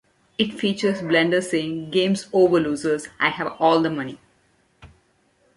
It features Bender saying "Game's over losers, I have all the money".